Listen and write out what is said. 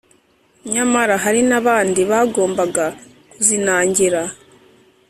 nyamara hari n’abandi bagombaga kuzinangira,